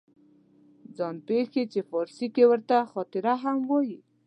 ځان پېښې چې فارسي کې ورته خاطره هم وایي